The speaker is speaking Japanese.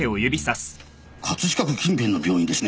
葛飾区近辺の病院ですね！